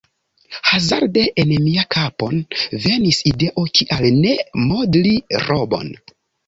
Hazarde en mian kapon venis ideo – kial ne modli robon?